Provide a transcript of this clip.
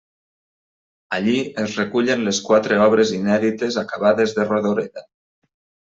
Allí es recullen les quatre obres inèdites acabades de Rodoreda.